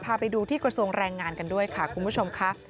พาไปดูที่กระทรวงแรงงานกันด้วยค่ะคุณผู้ชมค่ะ